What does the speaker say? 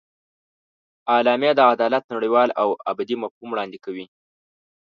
اعلامیه د عدالت نړیوال او ابدي مفهوم وړاندې کوي.